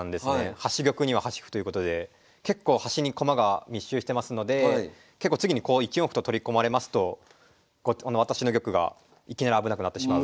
端玉には端歩ということで結構端に駒が密集してますので結構次にこう１四歩と取り込まれますと私の玉がいきなり危なくなってしまう。